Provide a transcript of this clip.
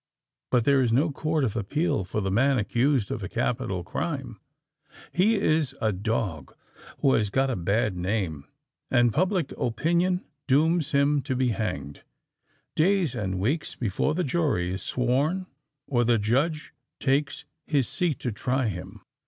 But there is no court of appeal for the man accused of a capital crime: he is a dog who has got a bad name—and public opinion dooms him to be hanged, days and weeks before the jury is sworn or the judge takes his seat to try him!